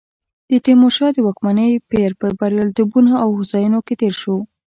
د تیمورشاه د واکمنۍ پیر په بریالیتوبونو او هوساینو کې تېر شو.